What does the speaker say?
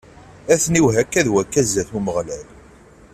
Ad ten-iwehhi akka d wakka zdat n Umeɣlal.